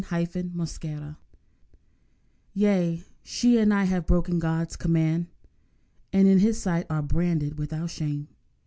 "HE THAT LOOKETH" Yea, she and I have broken God's command, And in His sight are branded with our shame.